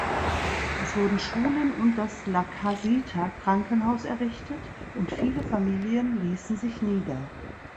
Es wurden Schulen und das La-Casita-Krankenhaus errichtet, und viele Familien ließen sich nieder.